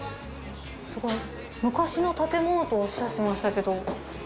昔の建物とおっしゃってましたけど。